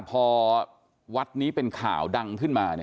พอวัดนี้เป็นข่าวดังขึ้นมา